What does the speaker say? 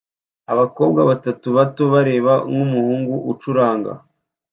Abakobwa batatu bato bareba nkumuhungu ucuranga